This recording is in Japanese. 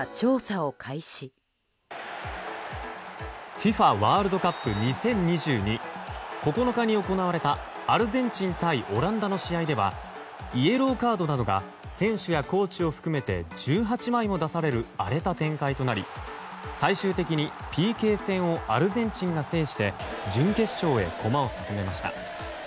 ＦＩＦＡワールドカップ２０２２９日に行われたアルゼンチン対オランダの試合ではイエローカードなどが選手やコーチを含めて１８枚も出される荒れた展開となり最終的にＰＫ戦をアルゼンチンが制して準決勝へ駒を進めました。